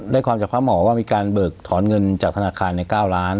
ความจากพระหมอว่ามีการเบิกถอนเงินจากธนาคารใน๙ล้าน